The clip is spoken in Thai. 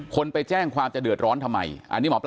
คนไปแจ้งความจะเดือดร้อนทำไม